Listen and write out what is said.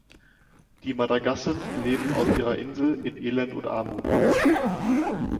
Die Madagassen leben auf ihrer Insel in Elend und Armut.